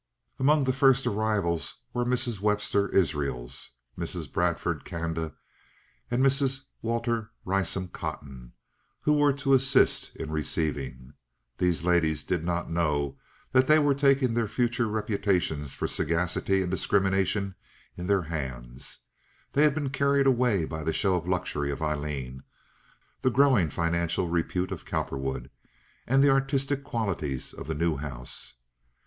Among the first arrivals were Mrs. Webster Israels, Mrs. Bradford Canda, and Mrs. Walter Rysam Cotton, who were to assist in receiving. These ladies did not know that they were taking their future reputations for sagacity and discrimination in their hands; they had been carried away by the show of luxury of Aileen, the growing financial repute of Cowperwood, and the artistic qualities of the new house.